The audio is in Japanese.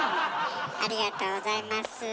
ありがとうございます。